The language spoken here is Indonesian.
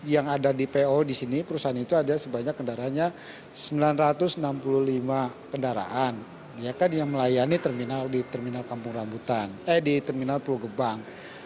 yang ada di po di sini perusahaan itu ada sebanyak sembilan ratus enam puluh lima kendaraan yang melayani terminal pulau gebang